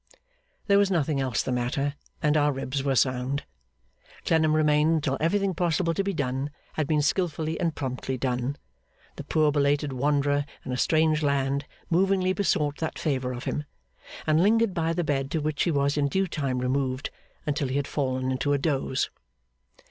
There was nothing else the matter, and our ribs were sound. Clennam remained until everything possible to be done had been skilfully and promptly done the poor belated wanderer in a strange land movingly besought that favour of him and lingered by the bed to which he was in due time removed, until he had fallen into a doze.